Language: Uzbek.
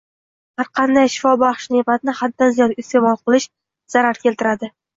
Har qanday shifobaxsh ne’matni haddan ziyod iste’mol qilish zarar keltiradi.